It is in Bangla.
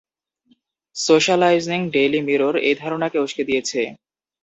সোশ্যালাইজিং ডেইলি মিরর এই ধারণাকে উস্কে দিয়েছে।